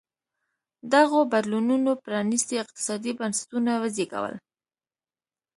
دغو بدلونونو پرانېستي اقتصادي بنسټونه وزېږول.